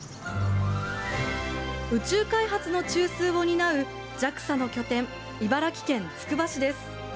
宇宙開発の中枢を担うＪＡＸＡの拠点茨城県つくば市です。